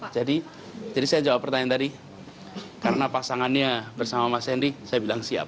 jadi saya jawab pertanyaan tadi karena pasangannya bersama mas hendy saya bilang siap